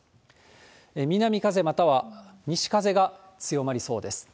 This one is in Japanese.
南風、または西風が強まりそうです。